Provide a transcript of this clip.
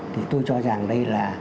thì tôi cho rằng đây là